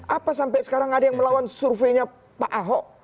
apa sampai sekarang ada yang melawan surveinya pak ahok